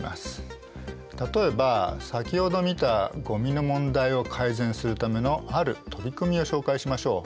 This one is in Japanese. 例えば先ほど見たゴミの問題を改善するためのある取り組みを紹介しましょう。